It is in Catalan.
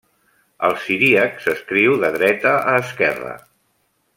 El siríac s'escriu de dreta a esquerra.